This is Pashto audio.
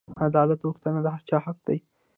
عدالت غوښتنه د هر چا حق دی.